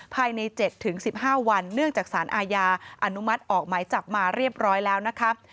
ภายใน๗๑๕วันเนื่องจากสารอาญาอนุมัติออกหมายจับมาเรียบร้อยแล้วนะครับ